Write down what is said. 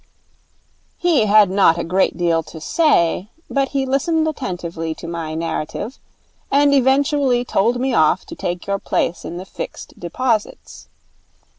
He had not a great deal to say, but he listened attentively to my narrative, and eventually told me off to take your place in the Fixed Deposits.